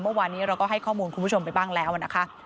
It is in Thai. เมื่อวานนี้เราก็ให้ข้อมูลคุณผู้ชมไปบ้างแล้วนะคะ